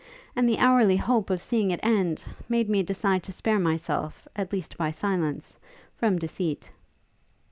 and the hourly hope of seeing it end, made me decide to spare myself, at least by silence, from deceit.'